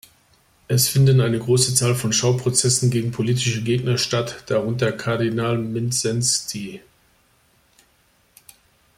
Es finden eine große Zahl von Schauprozessen gegen politische Gegner statt, darunter Kardinal Mindszenty.